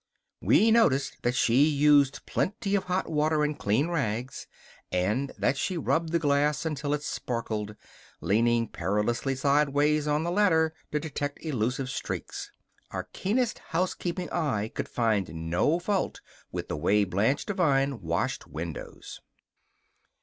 We noticed that she used plenty of hot water and clean rags, and that she rubbed the glass until it sparkled, leaning perilously sideways on the ladder to detect elusive streaks. Our keenest housekeeping eye could find no fault with the way Blanche Devine washed windows.